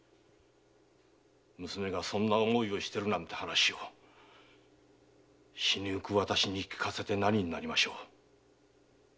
娘がそんな想いでいるなんて話を死にゆく私に聞かせて何になりましょう？